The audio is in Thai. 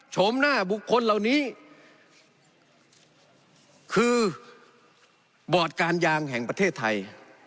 ชมหน้าบุคคลเหล่านี้คือบอร์ดการยางแห่งประเทศไทย